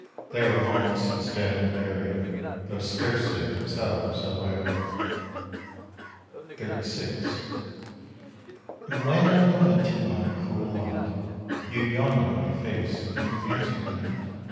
They are long since dead and buried, Though scarcely themselves aware. XXXVI. And when I lamented my cruel lot, You yawned in my face and you answered not.